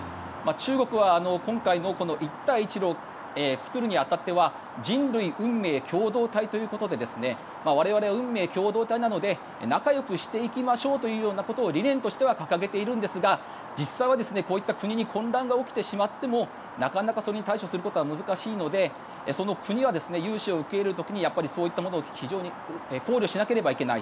中国は今回の一帯一路を作るに当たっては人類運命共同体ということで我々は運命共同体なので仲よくしていきましょうということを理念としては掲げているんですが実際は、こういった国に混乱が起きてしまってもなかなかそれに対処することは難しいのでその国は融資を受ける時にそういったものを非常に考慮しなければいけない。